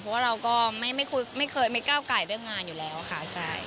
เพราะว่าเราก็ไม่เคยไม่ก้าวไก่เรื่องงานอยู่แล้วค่ะใช่